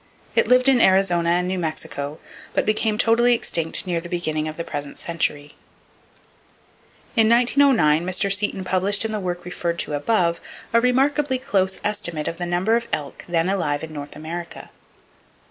It lived in Arizona and New Mexico, but became totally extinct near the beginning of the present century. In 1909 Mr. Seton published in the work referred to above a remarkably close estimate of the number of elk then alive in North America.